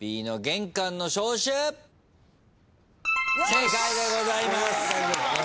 正解でございます。